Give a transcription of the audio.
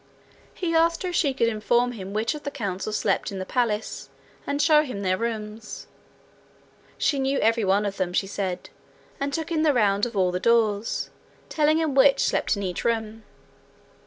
He asked her if she could inform him which of the council slept in the palace, and show him their rooms. She knew every one of them, she said, and took him the round of all their doors, telling him which slept in each room.